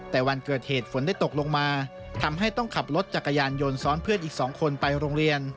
แต่วันเกิดเหตุฝนได้ตกลงมาทำให้ต้องขับรถจักรยานยนต์ซ้อนเพื่อนอีก๒คนไปโรงเรียน